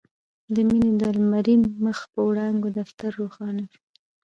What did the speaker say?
د مينې د لمرين مخ په وړانګو دفتر روښانه شو.